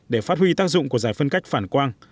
để phát huy tác dụng của giải phân cách phản quang